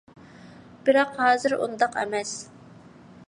بىراق ھازىر ئۇنداق ئەمەس.